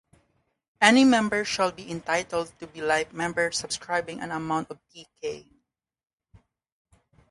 Any member shall be entitled to be life member subscribing an amount of Tk.